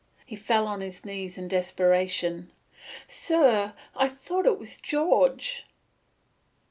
He fell on his knees in desperation. "Sir, I thought it was George."